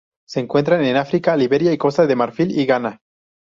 Se encuentran en África: Liberia, Costa de Marfil y Ghana.